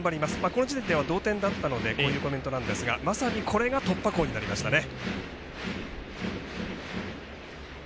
この時点では同点だったのでこういうコメントだったんですがまさにこれが突破口になりましたね。